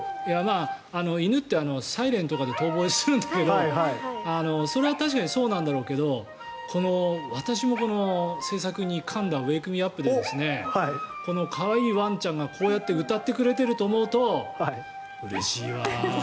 犬ってサイレンとかで遠ぼえするんだけどそれは確かにそうなんだろうけど私も制作にかんだ「ＷａｋｅＭｅＵｐ」でこの可愛いワンちゃんが歌ってくれてると思うとうれしいな。